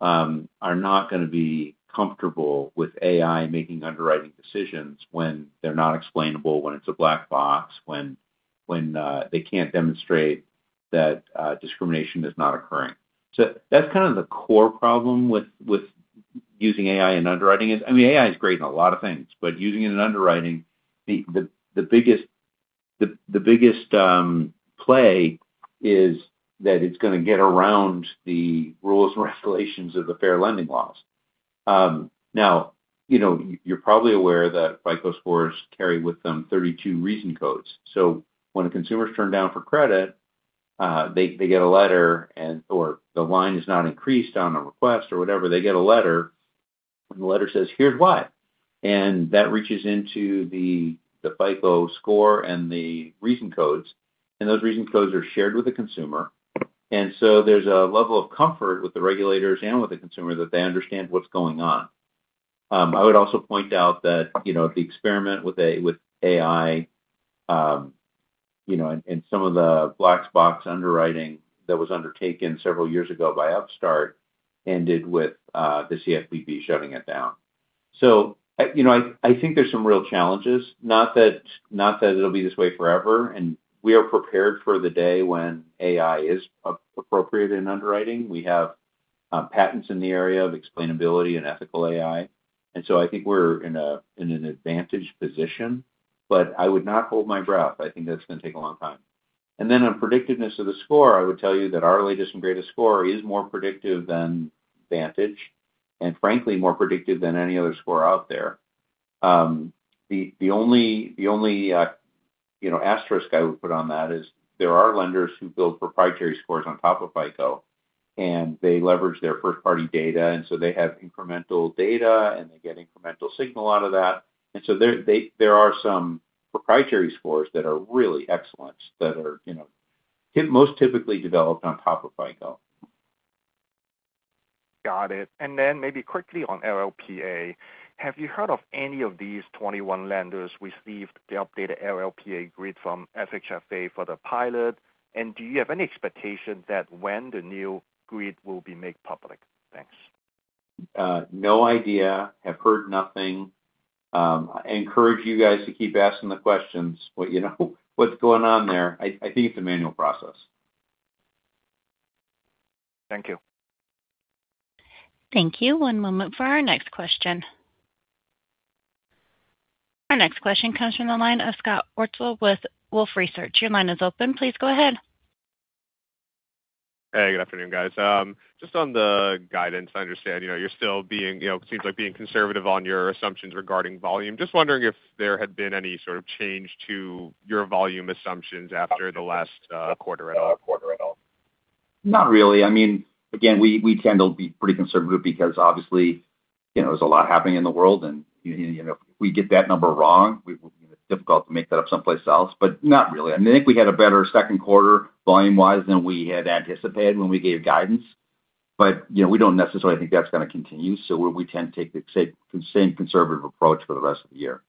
are not gonna be comfortable with AI making underwriting decisions when they're not explainable, when it's a black box, when they can't demonstrate that discrimination is not occurring. That's kind of the core problem with using AI in underwriting is, I mean, AI is great in a lot of things, but using it in underwriting, the biggest play is that it's gonna get around the rules and regulations of the fair lending laws. Now, you know, you're probably aware that FICO Scores carry with them 32 reason codes. When a consumer's turned down for credit, they get a letter or the line is not increased on a request or whatever, they get a letter, and the letter says, "Here's why." That reaches into the FICO score and the reason codes, and those reason codes are shared with the consumer. There's a level of comfort with the regulators and with the consumer that they understand what's going on. I would also point out that, you know, the experiment with AI, you know, and some of the black box underwriting that was undertaken several years ago by Upstart ended with the CFPB shutting it down. I, you know, I think there's some real challenges, not that it'll be this way forever. We are prepared for the day when AI is appropriate in underwriting. We have patents in the area of explainability and ethical AI. I think we're in an advantaged position. I would not hold my breath. I think that's gonna take a long time. On predictiveness of the score, I would tell you that our latest and greatest score is more predictive than Vantage and frankly, more predictive than any other score out there. The only, the only, you know, asterisk I would put on that is there are lenders who build proprietary scores on top of FICO, and they leverage their first-party data, and so they have incremental data, and they get incremental signal out of that. There are some proprietary scores that are really excellent that are, you know, most typically developed on top of FICO. Got it. Maybe quickly on LLPA. Have you heard of any of these 21 lenders received the updated LLPA grid from FHFA for the pilot? Do you have any expectation that when the new grid will be made public? Thanks. No idea. Have heard nothing. I encourage you guys to keep asking the questions, but you know, what's going on there, I think it's a manual process. Thank you. Thank you. One moment for our next question. Our next question comes from the line of Scott Wurtzel with Wolfe Research. Your line is open. Please go ahead. Hey, good afternoon, guys. Just on the guidance, I understand, you know, you're still being, you know, seems like being conservative on your assumptions regarding volume. Just wondering if there had been any sort of change to your volume assumptions after the last quarter at all? Not really. I mean, again, we tend to be pretty conservative because obviously, you know, there's a lot happening in the world, and, you know, if we get that number wrong, it's difficult to make that up someplace else. Not really. I think we had a better second quarter volume-wise than we had anticipated when we gave guidance. You know, we don't necessarily think that's gonna continue, we tend to take the same conservative approach for the rest of the year.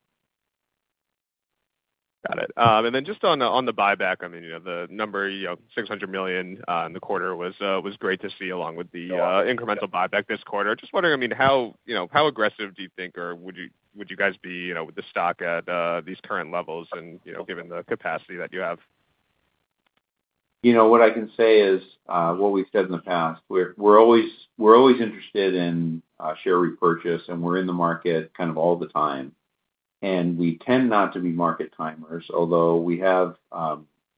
Then just on the, on the buyback, I mean, you know, the number, you know, $600 million in the quarter was great to see along with. Yeah Incremental buyback this quarter. Just wondering, I mean, how, you know, how aggressive do you think or would you guys be, you know, with the stock at these current levels and, you know, given the capacity that you have? You know what I can say is what we've said in the past. We're always interested in share repurchase, and we're in the market kind of all the time. We tend not to be market timers, although we have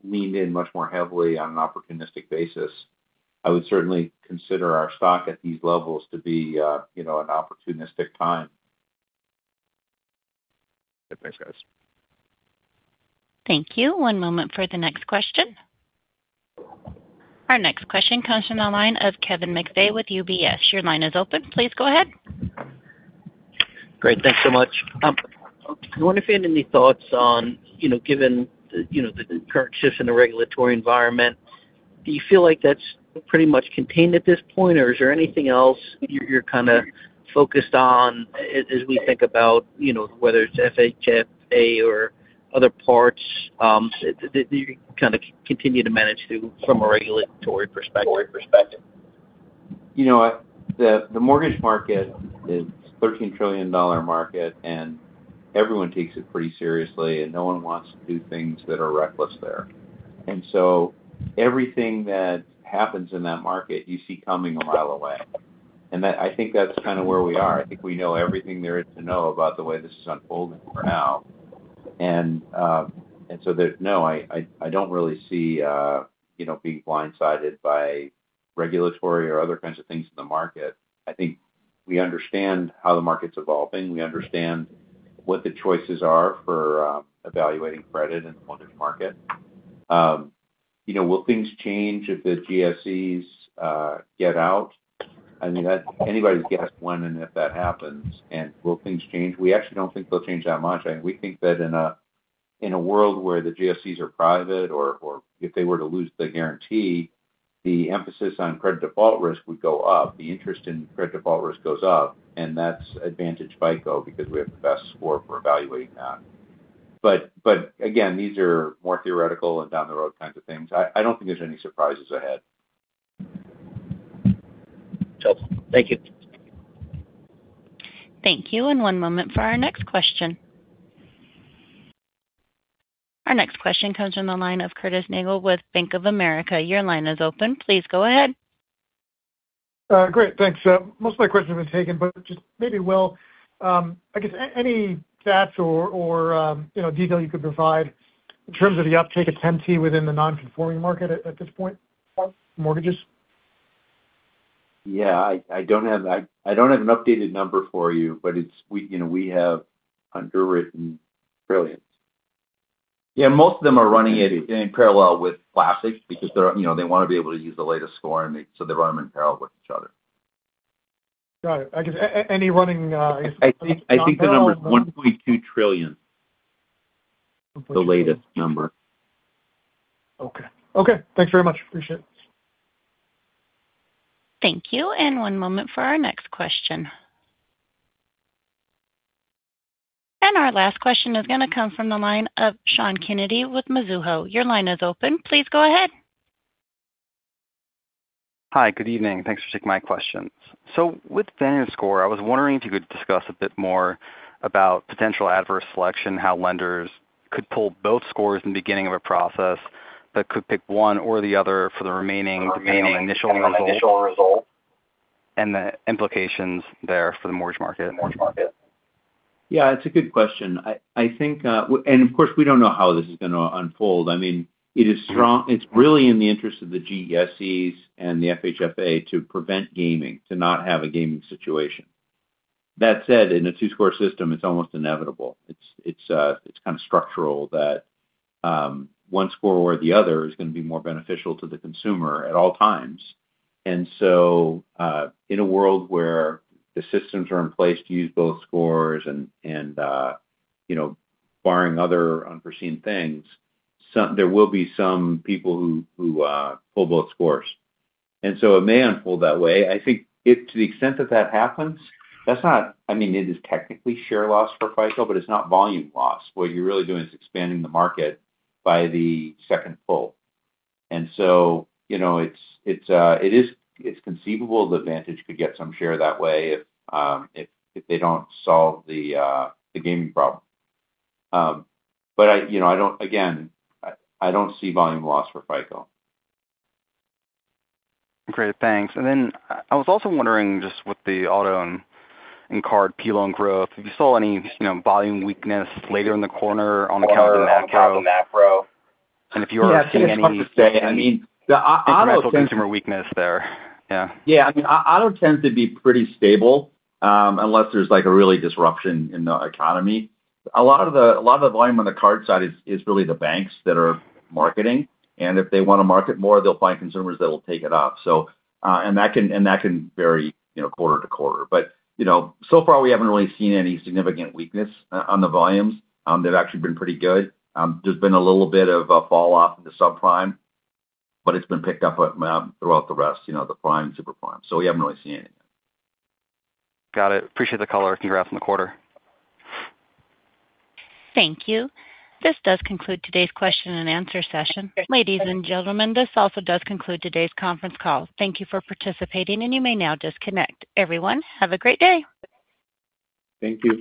leaned in much more heavily on an opportunistic basis. I would certainly consider our stock at these levels to be, you know, an opportunistic time. Yeah. Thanks, guys. Thank you. One moment for the next question. Our next question comes from the line of Kevin McVeigh with UBS. Your line is open. Please go ahead. Great. Thanks so much. I wonder if you had any thoughts on, you know, given the, you know, the current shift in the regulatory environment, do you feel like that's pretty much contained at this point or is there anything else you're kinda focused on as we think about, you know, whether it's FHFA or other parts, that you kinda continue to manage through from a regulatory perspective? You know, the mortgage market is a $13 trillion market and everyone takes it pretty seriously, and no one wants to do things that are reckless there. Everything that happens in that market you see coming a mile away. I think that's kind of where we are. I think we know everything there is to know about the way this is unfolding for now. No, I don't really see, you know, being blindsided by regulatory or other kinds of things in the market. I think we understand how the market's evolving. We understand what the choices are for evaluating credit in the mortgage market. You know, will things change if the GSEs get out? I mean, that's anybody's guess when and if that happens. Will things change? We actually don't think they'll change that much. I think we think that in a world where the GSEs are private or if they were to lose the guarantee, the emphasis on credit default risk would go up. The interest in credit default risk goes up. That's advantage FICO because we have the best score for evaluating that. Again, these are more theoretical and down the road kinds of things. I don't think there's any surprises ahead. Sure. Thank you. Thank you. One moment for our next question. Our next question comes from the line of Curtis Nagle with Bank of America. Your line is open. Please go ahead. Great. Thanks. Most of my questions have been taken, but just maybe, Will, I guess any stats or, you know, detail you could provide in terms of the uptake of 10T within the non-conforming market at this point for mortgages? Yeah, I don't have an updated number for you, but we, you know, we have underwritten trillions. Yeah, most of them are running it in parallel with Classic because they're, you know, they wanna be able to use the latest score so they run them in parallel with each other. Got it. I guess any running, I guess. I think the number is $1.2 trillion. Okay. The latest number. Okay. Okay. Thanks very much. Appreciate it. Thank you. One moment for our next question. Our last question is going to come from the line of Sean Kennedy with Mizuho. Your line is open. Please go ahead. Hi. Good evening. Thanks for taking my questions. With VantageScore, I was wondering if you could discuss a bit more about potential adverse selection, how lenders could pull both scores in the beginning of a process, but could pick one or the other for the remaining initial result and the implications there for the mortgage market. Yeah, it's a good question. I think, of course, we don't know how this is going to unfold. I mean, it is strong. It's really in the interest of the GSEs and the FHFA to prevent gaming, to not have a gaming situation. That said, in a two-score system it's almost inevitable. It's kind of structural that one score or the other is going to be more beneficial to the consumer at all times. In a world where the systems are in place to use both scores, you know, barring other unforeseen things, there will be some people who pull both scores. It may unfold that way. I think if to the extent that that happens, I mean, it is technically share loss for FICO but it's not volume loss. What you're really doing is expanding the market by the second pull. You know, it's, it's conceivable that Vantage could get some share that way if they don't solve the gaming problem. I, you know, again, I don't see volume loss for FICO. Great. Thanks. I was also wondering just with the auto and card P-loan growth, have you seen any, you know, volume weakness later in the quarter on account of the macro? I think it's hard to say. I mean, the auto. Instrumental consumer weakness there. Yeah. Yeah. I mean auto tends to be pretty stable, unless there's like a real disruption in the economy. A lot of the volume on the card side is really the banks that are marketing. If they wanna market more they'll find consumers that will take it up. That can vary, you know, quarter to quarter. You know, so far we haven't really seen any significant weakness on the volumes. They've actually been pretty good. There's been a little bit of a fall off in the subprime, but it's been picked up throughout the rest, you know, the prime, super prime. We haven't really seen anything. Got it. Appreciate the color. Congrats on the quarter. Thank you. This does conclude today's question and answer session. Ladies and gentlemen, this also does conclude today's conference call. Thank you for participating and you may now disconnect. Everyone, have a great day. Thank you.